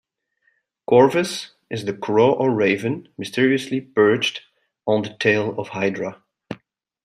Corvus is the Crow or Raven mysteriously perched on the tail of Hydra.